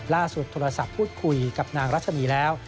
ล่าสุดโทรศัพท์พูดคุยกับนางรัชนีแล้ว